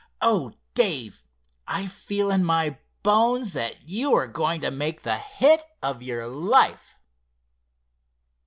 "Oh, Dave, I feel in my bones that you are going to make the hit of your life!"